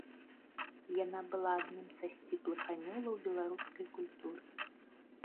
Яна была адным са сціплых анёлаў беларускай культуры.